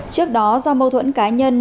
trước đó do mâu thuẫn cá nhân